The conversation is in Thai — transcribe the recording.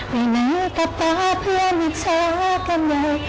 ไม่เหนื่อยกับตาเพื่อนอีกช้ากันใหญ่